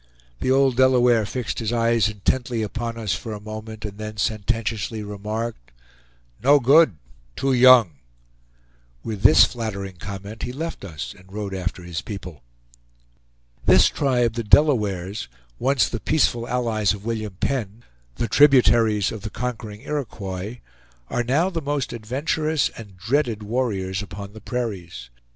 The old Delaware fixed his eyes intently upon us for a moment, and then sententiously remarked: "No good! Too young!" With this flattering comment he left us, and rode after his people. This tribe, the Delawares, once the peaceful allies of William Penn, the tributaries of the conquering Iroquois, are now the most adventurous and dreaded warriors upon the prairies.